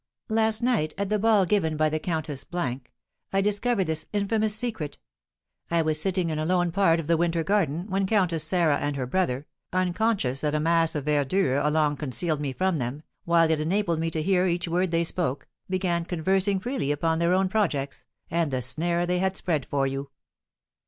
"Last night, at the ball given by the Countess C , I discovered this infamous secret. I was sitting in a lone part of the 'Winter Garden,' when Countess Sarah and her brother, unconscious that a mass of verdure alone concealed me from them, while it enabled me to hear each word they spoke, began conversing freely upon their own projects, and the snare they had spread for you.